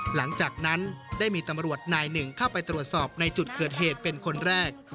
หลังจากนั้นได้มีตำรวจนายหนึ่งเข้าไปตรวจสอบในจุดเกิดเหตุเป็นคนแรก